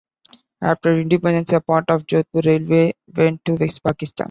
After Independence, a part of Jodhpur Railway went to West Pakistan.